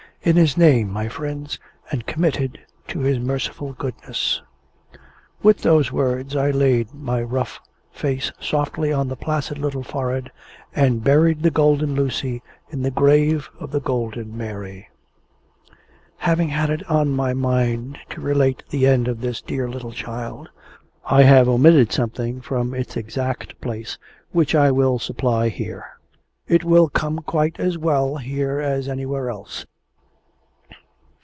In His name, my friends, and committed to His merciful goodness!" With those words I laid my rough face softly on the placid little forehead, and buried the Golden Lucy in the grave of the Golden Mary. Having had it on my mind to relate the end of this dear little child, I have omitted something from its exact place, which I will supply here. It will come quite as well here as anywhere else.